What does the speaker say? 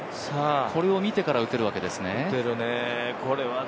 これを見てから打てるわけですね。